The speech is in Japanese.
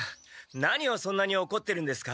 何をそんなにおこってるんですか？